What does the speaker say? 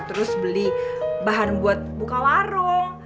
terus beli bahan buat buka warung